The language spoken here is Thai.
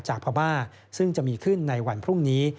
พม่าซึ่งจะมีขึ้นในวันพรุ่งนี้